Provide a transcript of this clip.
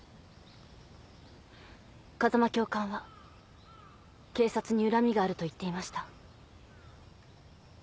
風間教官は警察に恨みがあると言っていました。